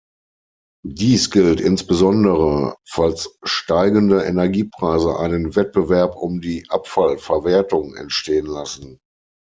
Dies gilt insbesondere, falls steigende Energiepreise einen Wettbewerb um die Abfallverwertung entstehen lassen.